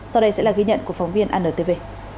sau đây sẽ là ghi nhận của phóng viên antv